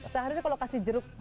seharusnya kalau kasih jeruk